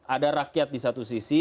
ada rakyat di satu sisi